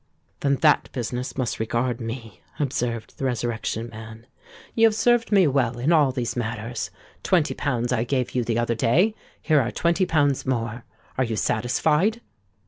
"Then that business must regard me," observed the Resurrection Man. "You have served me well in all these matters. Twenty pounds I gave you the other day: here are twenty pounds more. Are you satisfied?"